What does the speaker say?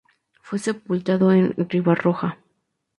Fue sepultado en Ribarroja.